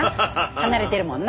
離れてるもんな。